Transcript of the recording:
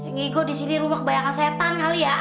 gigo disini rumah kebanyakan setan kali ya